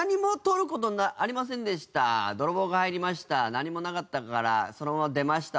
何もなかったからそのまま出ました。